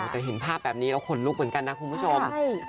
แต่เห็นภาพแบบนี้แล้วขนลุกเหมือนกันนะคุณผู้ชม